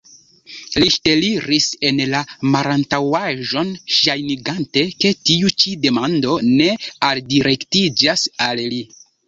Li ŝteliris en la malantaŭaĵon, ŝajnigante, ke tiu ĉi demando ne aldirektiĝas al li.